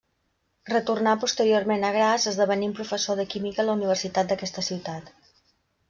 Retornà posteriorment a Graz, esdevenint professor de química a la universitat d'aquesta ciutat.